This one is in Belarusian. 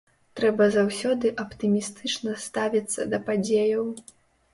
Трэба заўсёды аптымістычна ставіцца да падзеяў.